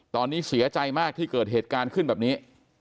ตอนนี้เสียใจมากที่เกิดเหตุการณ์ขึ้นแบบนี้